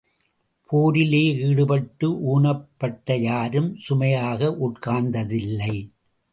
போரிலே ஈடுபட்டு ஊனப்பட்ட யாரும் சுமையாக உட்கார்ந்ததில்லை.